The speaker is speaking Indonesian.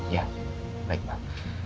ya baik pak